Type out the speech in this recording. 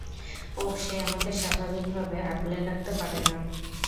ওহ সে আমাকে স্বাভাবিক ভাবে আগলে রাখতে পারেনা।